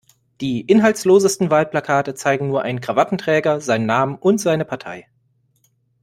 Die inhaltslosesten Wahlplakate zeigen nur einen Krawattenträger, seinen Namen und seine Partei.